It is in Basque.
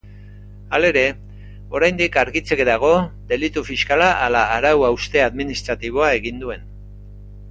Halere, oraindik argitzeke dago delitu fiskala ala arau-hauste administratiboa egin duen.